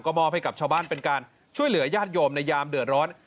มอบให้กับชาวบ้านเป็นการช่วยเหลือญาติโยมในยามเดือดร้อน